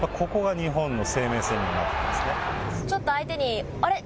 ここが日本の生命線になると思いますね。